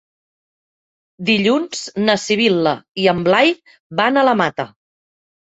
Dilluns na Sibil·la i en Blai van a la Mata.